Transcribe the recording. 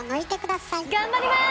頑張ります！